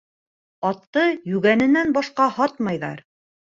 Атты йүгәненән башҡа һатмайҙар.